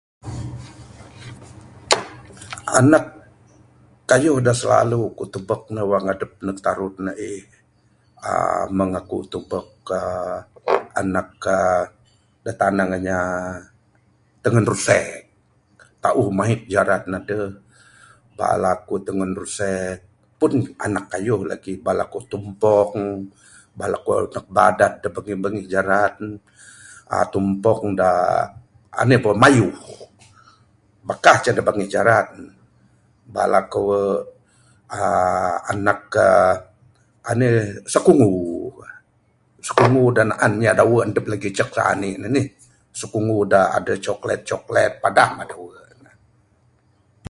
Anak kayuh da slalu kuk tubuk ne wang adup da tarun a'ih, uhh mung akuk tubuk uhh anak uhh da tanang inya tengun rusek. Tauh mahit jaran aduh, bala ku tengen rusek pun anak kayuh lagik. Bala kutumpong, bala ku ne badat da bingih bingih jaran. uhh Tumpong da, anih boh mayu. Bakah ce da bangih jaran. Bala ku, uhh anak ka, anih uhh sekunggu, sekunggu da naan nya dawe adep gik cuk sane nih. Sikunggu da aduh coklat coklat, padah ma dawe ne.